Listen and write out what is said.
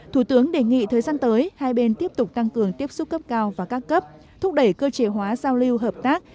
thủ tướng đề nghị thời gian tới hai bên tiếp tục tăng cường tiếp xúc cấp cao và các cấp thúc đẩy cơ chế hóa giao lưu hợp tác